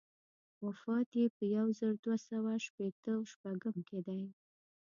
وفات یې په یو زر دوه سوه شپېته و شپږم کې دی.